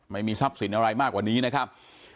ไม่มีทรัพย์สินอะไรมากกว่านี้นะครับ